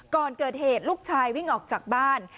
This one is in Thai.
ก่อนเกิดเหตุลูกชายวิ่งออกจากบ้าน